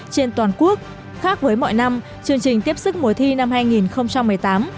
hai nghìn một mươi tám trên toàn quốc khác với mọi năm chương trình tiếp sức mùa thi năm hai nghìn một mươi tám